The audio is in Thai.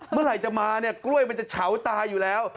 เมื่อไหร่จะมาเนี่ยกล้วยมันจะเฉาตาอยู่แล้ว